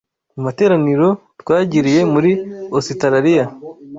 Mu materaniro twagiriye muri Ositarariya,